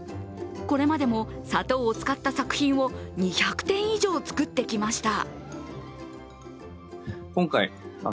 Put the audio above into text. これまでも砂糖を使った作品を２００点以上作ってきました。